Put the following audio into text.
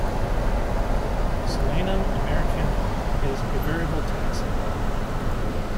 "Solanum americanum" is a variable taxon.